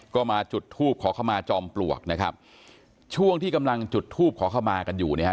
ก็มาจุดทูบขอเข้ามาจอมปลวกนะครับช่วงที่กำลังจุดทูบขอเข้ามากันอยู่เนี่ยฮ